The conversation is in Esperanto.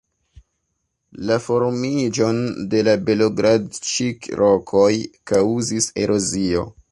La formiĝon de la Belogradĉik-rokoj kaŭzis erozio.